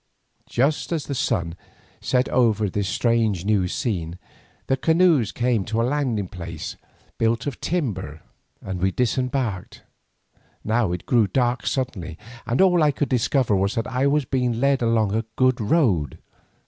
Just as the sun set over all this strange new scene the canoes came to a landing place built of timber, and we disembarked. Now it grew dark suddenly, and all I could discover was that I was being led along a good road.